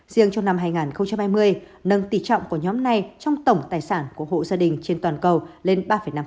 riêng trong năm hai nghìn hai mươi nâng tỷ trọng của nhóm này trong tổng tài sản của hộ gia đình trên toàn cầu lên ba năm